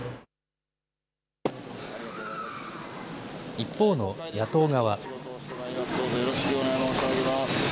一方の野党側。